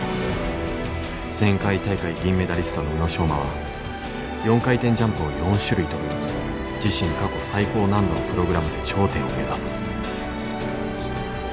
前回大会銀メダリストの宇野昌磨は４回転ジャンプを４種類跳ぶ自身過去最高難度のプログラムで頂点を目指す。